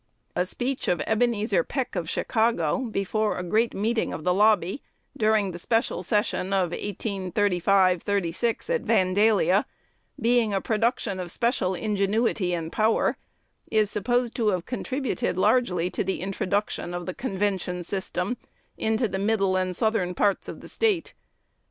A speech of Ebenezer Peck of Chicago, "before a great meeting of the lobby, during the special session of 1835 6 at Vandalia," being a production of special ingenuity and power, is supposed to have contributed largely to the introduction of the convention system into the middle and southern parts of the State.